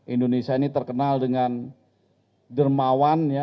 indonesia ini terkenal dengan dermawan ya